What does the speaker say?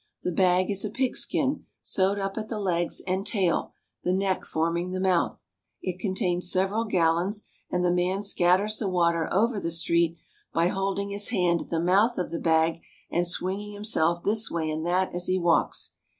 The bag is a pigskin, sewed up at the legs and tail, the neck forming the mouth. It contains several gal lons, and the man scatters the water over the street by holding his hand at the mouth of the bag and swinging himself this way and that as he walks.